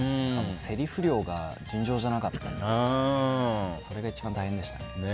せりふ量が尋常じゃなかったのでそれが一番大変でしたね。